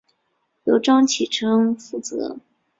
由张启珍负责。